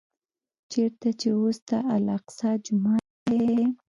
چېرته چې اوس د الاقصی جومات دی.